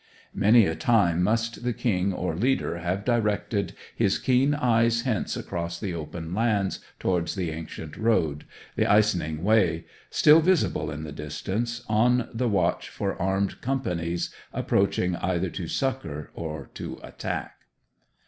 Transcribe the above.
Many a time must the king or leader have directed his keen eyes hence across the open lands towards the ancient road, the Icening Way, still visible in the distance, on the watch for armed companies approaching either to succour or to attack.